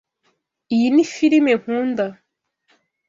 Iyi ni firime nkunda.